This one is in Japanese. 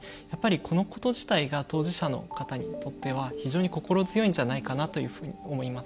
このこと自体が当事者の方にとっては非常に心強いんじゃないかなと思います。